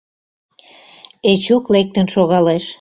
Эчук лектын шогалеш.